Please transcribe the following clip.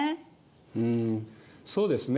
うんそうですね。